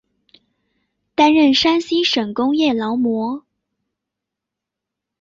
担任山西省工业劳模。